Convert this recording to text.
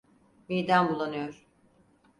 Midem bulanıyor.